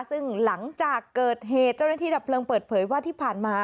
ซึ่งหลังจากเกิดเหตุเจ้าหน้าที่ดับเพลิงเปิดเผยว่าที่ผ่านมา